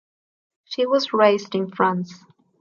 She was raised in France.